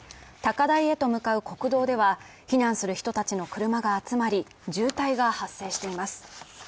高台へと向かう国道では避難する人たちの車が集まり、渋滞が発生しています。